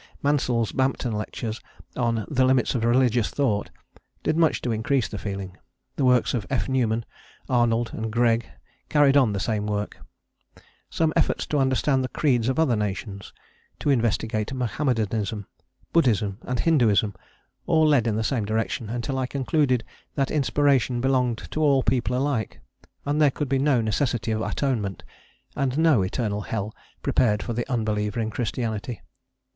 Mansel's Bampton lectures on "The Limits of Religious Thought" did much to increase the feeling; the works of F. Newman, Arnold, and Greg carried on the same work; some efforts to understand the creeds of other nations, to investigate Mahommedanism, Buddhism, and Hinduism, all led in the same direction, until I concluded that inspiration belonged to all people alike, and there could be no necessity of atonement, and no eternal hell prepared for the unbeliever in Christianity.